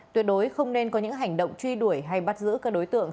tuyệt đối không nên có những hành động truy đuổi hay bắt giữ các đối tượng